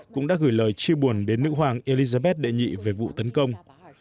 cũng đã gửi lời chia buồn đến nữ hoàng elizabeth đệ nhị về vụ tấn công